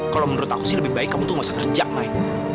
kalau menurut aku sih lebih baik kamu tuh gak usah kerja mai